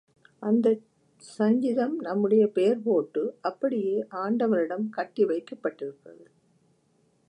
அந்தச் சஞ்சிதம் நம்முடைய பெயர் போட்டு அப்படியே ஆண்டவனிடம் கட்டி வைக்கப்பட்டிருக்கிறது.